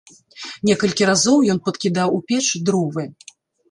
Некалькі разоў ён падкідаў у печ дровы.